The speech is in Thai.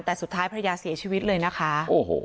แต่สุดท้ายภรรยาเสียชีวิตเลยนะคะโอ้โห